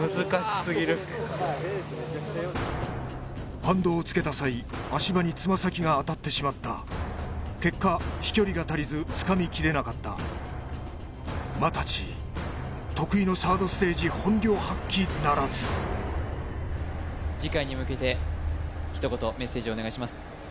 反動をつけた際足場に爪先が当たってしまった結果飛距離が足りずつかみきれなかった又地得意のサードステージ本領発揮ならず次回に向けてひと言メッセージをお願いします